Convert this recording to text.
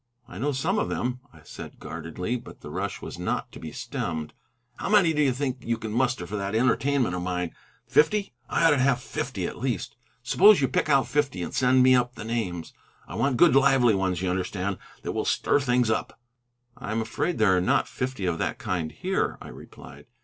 "I know some of them," I said guardedly. But the rush was not to be stemmed. "How many do you think you can muster for that entertainment of mine? Fifty? I ought to have fifty, at least. Suppose you pick out fifty, and send me up the names. I want good lively ones, you understand, that will stir things up." "I am afraid there are not fifty of that kind there," I replied.